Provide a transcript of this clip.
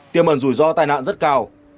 tiêm ẩn rủi ro tai nạn rất cao